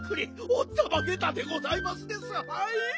おったまげたでございますですはい。